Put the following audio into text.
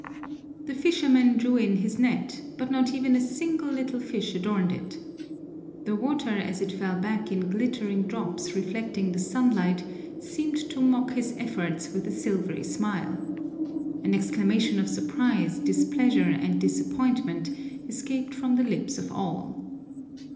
The fisherman drew in his net, but not even a single little fish adorned it. The water as it fell back in glittering drops reflecting the sunlight seemed to mock his efforts with a silvery smile. An exclamation of surprise, displeasure, and disappointment escaped from the lips of all.